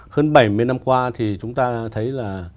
hơn bảy mươi năm qua thì chúng ta thấy là